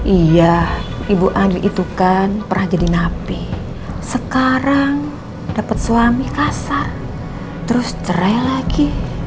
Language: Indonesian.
iya ibu andi itu kan pernah jadi napi sekarang dapat suami kasar terus cerai lagi